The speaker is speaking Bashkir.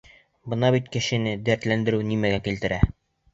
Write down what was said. Бына бит кешене дәртләндереү нимәгә килтерә!